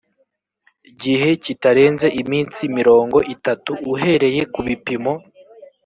gihe kitarenze iminsi mirongo itatu uhereye kubipimo